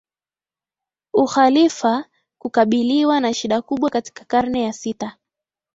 Ukhalifa kukabiliwa na shida kubwa Katika karne ya sita